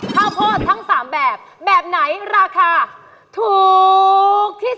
ข้าวโพดทั้ง๓แบบแบบไหนราคาถูกที่สุด